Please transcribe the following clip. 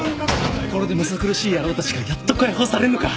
これでむさ苦しい野郎たちからやっと解放されんのか。